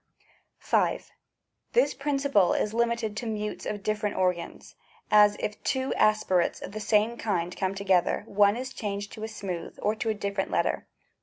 6. This principle is limited to mutes of different organs ; as, if two aspirates of the same kind come to gether, one is changed to a smooth or to a different letter.